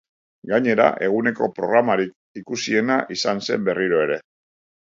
Gainera, eguneko programarik ikusiena izan zen berriro ere.